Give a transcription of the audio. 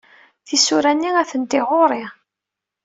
Tisura-nni atenti ɣur-i.